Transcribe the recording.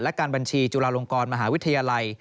และการบัญชีจุฬาลงกรมหาวิทยาลัย